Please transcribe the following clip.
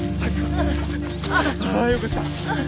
ああよかった。